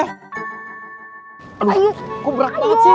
aduh kok berat banget sih